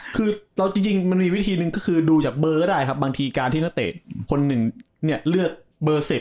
คือจริงมันมีวิธีหนึ่งก็คือดูจากเบอร์ก็ได้ครับบางทีการที่นักเตะคนหนึ่งเนี่ยเลือกเบอร์เสร็จ